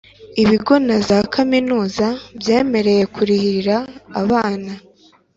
ibigo na za Kaminuza byemeye kurihira abana.